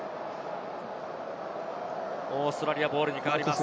オーストラリアボールに変わります。